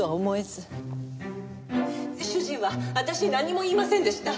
主人は私に何も言いませんでした。